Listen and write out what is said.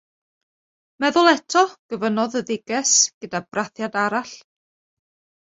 'Meddwl eto?' gofynnodd y Dduges, gyda brathiad arall.